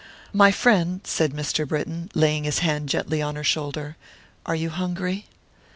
"My friend," said Mr. Britton, laying his hand gently on her shoulder, "are you hungry?"